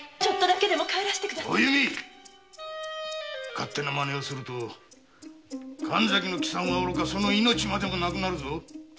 勝手なマネをすると神崎の帰参はおろかその命までもなくなるぞ！